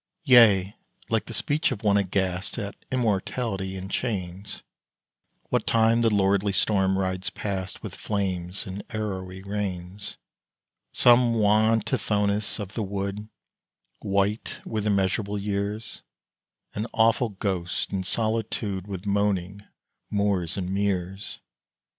Yea, like the speech of one aghast At Immortality in chains, What time the lordly storm rides past With flames and arrowy rains: Some wan Tithonus of the wood, White with immeasurable years An awful ghost in solitude With moaning moors and meres.